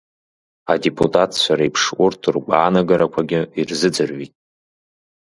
Адепутатцәа реиԥш урҭ ргәаанагарақәагьы ирзыӡырҩит.